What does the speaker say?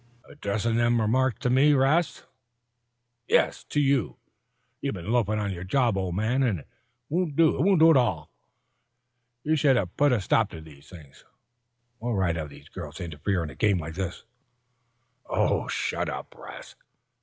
"Addressin' them remarks to me, 'Rast?" "Yes to you! You've been loafing on your job, old man, and it won't do it won't do at all. You should have put a stop to these things. What right have these girls to interfere in a game like this?" "Oh, shut up, 'Rast."